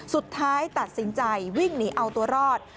สุดท้ายตัดสินใจวิ่งหนีเอาตัวรอด